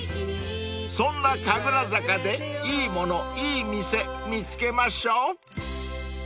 ［そんな神楽坂でいいものいい店見つけましょう］